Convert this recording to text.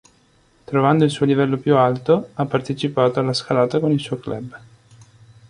Trovando il suo livello più alto, ha partecipato alla scalata con il suo club.